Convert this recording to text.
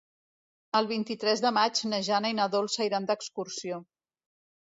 El vint-i-tres de maig na Jana i na Dolça iran d'excursió.